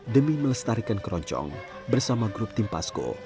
demi melestarikan keroncong bersama grup timpasko